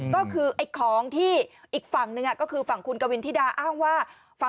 ก็คือไอ้ของที่อีกฝั่งหนึ่งก็คือฝั่งคุณกวินธิดาอ้างว่า